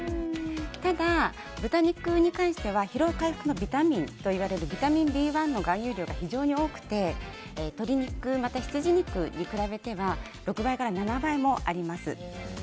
ただ、豚肉に関しては疲労回復のビタミンといわれるビタミンＢ１の含有量が非常に多くて、鶏肉またはヒツジ肉に比べたら６倍から７倍もあります。